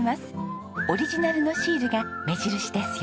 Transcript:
オリジナルのシールが目印ですよ。